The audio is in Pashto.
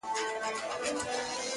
له کلونو پوروړی د سرکار وو!.